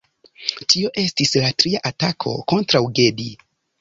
Tio estis la tria atako kontraŭ Gedi.